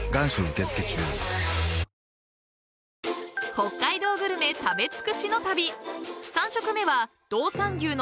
［北海道グルメ食べ尽くしの旅３食目は］